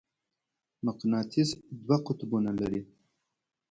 مقناطیس دوه قطبونه لري.